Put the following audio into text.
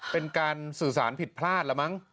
เป็นการสื่อสารผิดพลาดแล้วมั้ง